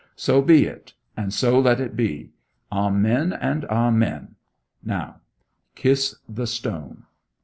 So be it, and so let it be. Amen and amen." Now kiss the stone.'